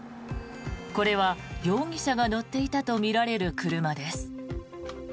これは容疑者が乗っていたとみられる車です。